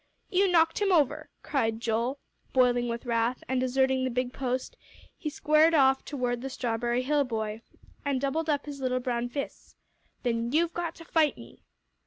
"You knocked him over!" cried Joel, boiling with wrath, and, deserting the big post, he squared off toward the Strawberry Hill boy, and doubled up his little brown fists. "Then you've got to fight me."